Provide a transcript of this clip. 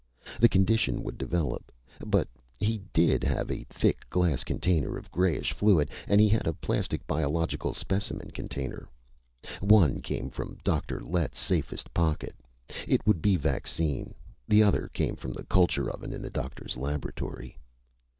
The condition would develop. But he did have a thick glass container of grayish fluid, and he had a plastic biological specimen container. One came from Dr. Lett's safest pocket. It would be vaccine. The other came from the culture oven in the doctor's laboratory.